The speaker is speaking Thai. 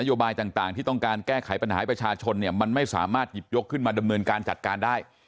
โยบายต่างที่ต้องการแก้ไขปัญหาให้ประชาชนเนี่ยมันไม่สามารถหยิบยกขึ้นมาดำเนินการจัดการได้